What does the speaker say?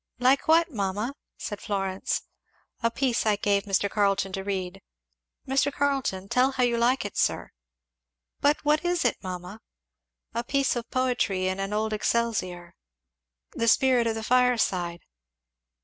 "Like what, mamma?" said Florence. "A piece I gave Mr. Carleton to read. Mr. Carleton, tell how you like it, sir." "But what is it, mamma?" "A piece of poetry in an old Excelsior 'The Spirit of the Fireside.'